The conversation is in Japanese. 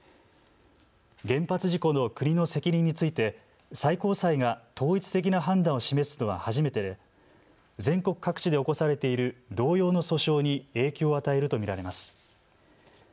原発事故の国の責任について最高裁が統一的な判断を示すのは初めてで全国各地で起こされている同様の訴訟に影響を与えると見られます。